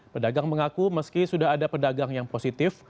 pedagang mengaku meski sudah ada pedagang yang positif